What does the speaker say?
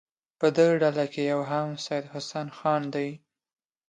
په دغه ډله کې یو هم سید حسن خان دی.